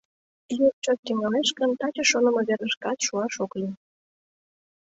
Йӱр чот тӱҥалеш гын, таче шонымо верышкат шуаш ок лий.